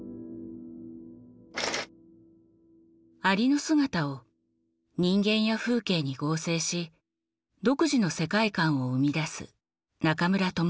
蟻の姿を人間や風景に合成し独自の世界観を生み出す中村智道。